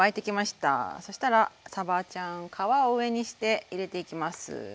そしたらさばちゃん皮を上にして入れていきます。